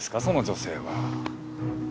その女性は。